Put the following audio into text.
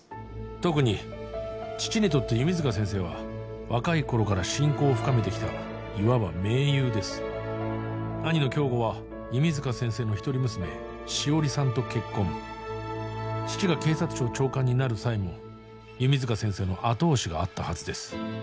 特に父にとって弓塚先生は若い頃から親交を深めてきたいわば盟友です兄の京吾は弓塚先生の一人娘汐里さんと結婚父が警察庁長官になる際も弓塚先生の後押しがあったはずです